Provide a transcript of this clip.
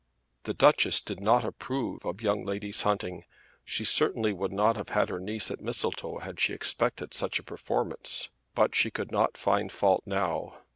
The Duchess did not approve of young ladies hunting. She certainly would not have had her niece at Mistletoe had she expected such a performance. But she could not find fault now.